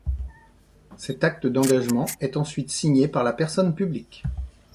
Cet acte d’engagement est ensuite signé par la personne publique.